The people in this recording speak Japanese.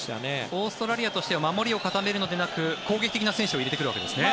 オーストラリアとしては守りを固めるのではなく攻撃的な選手を入れてくるわけですね。